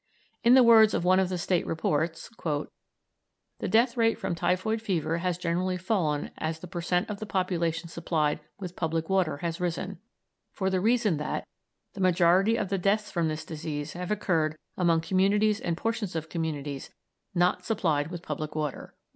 In the words of one of the State reports, "The death rate from typhoid fever has generally fallen as the per cent. of the population supplied with public water has risen, for the reason that the majority of the deaths from this disease have occurred among communities and portions of communities not supplied with public water."